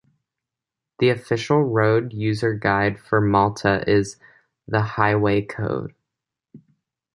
The official road user guide for Malta is "The Highway Code".